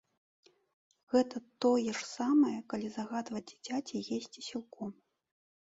Гэта тое ж самае, калі загадваць дзіцяці есці сілком.